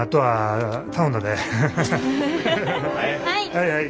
はいはい。